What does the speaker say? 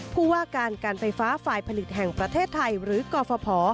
ผู้ว่าการการไฟฟ้าฝ่ายผลิตแห่งประเทศไทยหรือกฟภ